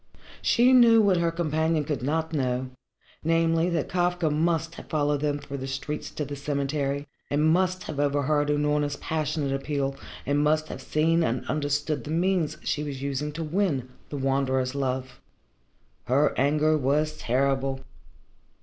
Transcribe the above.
She knew what her companion could not know, namely, that Kafka must have followed them through the streets to the cemetery and must have overheard Unorna's passionate appeal and must have seen and understood the means she was using to win the Wanderer's love. Her anger was terrible.